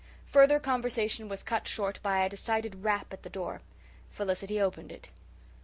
Further conversation was cut short by a decided rap at the door. Felicity opened it.